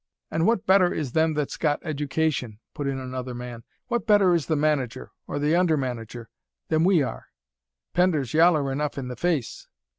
"And what better is them that's got education?" put in another man. "What better is the manager, or th' under manager, than we are? Pender's yaller enough i' th' face."